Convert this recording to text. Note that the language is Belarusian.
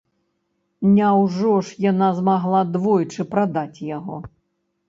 Няўжо ж яна змагла двойчы прадаць яго?